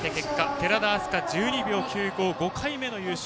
寺田明日香、１２秒９５で５回目の優勝。